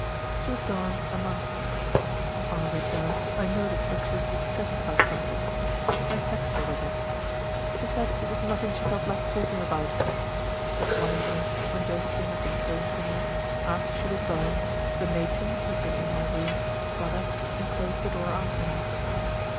She was gone a month. On her return I noticed that she was distressed about something. I taxed her with it. She said it was nothing she felt like talking about. But one evening when Josephine had been sewing for me, after she was gone, the Matron, who had been in my room, got up, and closed the door after her.